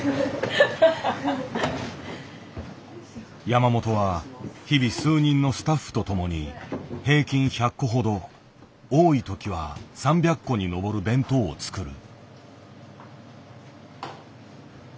山本は日々数人のスタッフと共に平均１００個ほど多い時は３００個に上る弁当を作る。